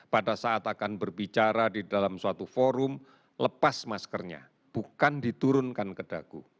pada saat akan berbicara di dalam suatu forum lepas maskernya bukan diturunkan ke dagu